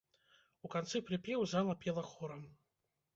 У канцы прыпеў зала пела хорам.